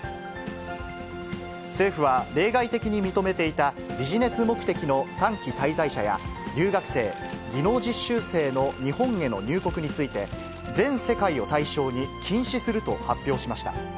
政府は例外的に認めていた、ビジネス目的の短期滞在者や、留学生、技能実習生の日本への入国について、全世界を対象に禁止すると発表しました。